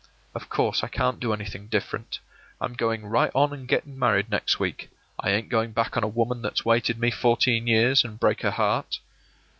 Of course I can't do anything any different. I'm going right on an' get married next week. I ain't going back on a woman that's waited for me fourteen years, an' break her heart.